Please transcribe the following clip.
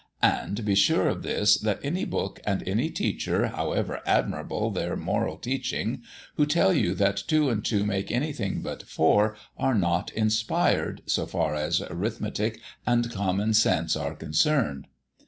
And be sure of this, that any book and any teacher, however admirable their moral teaching, who tell you that two and two make anything but four, are not inspired, so far as arithmetic and common sense are concerned.'"